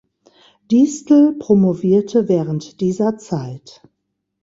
Diestel promovierte während dieser Zeit.